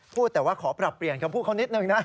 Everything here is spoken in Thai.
พูดแต่ว่าขอปรับเปลี่ยนคำพูดเขานิดนึงนะ